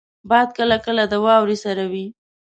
باد کله کله د واورې سره وي